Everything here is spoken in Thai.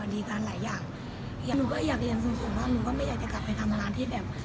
หนูก็ไม่อยากจะกลับไปทำงานที่แบบ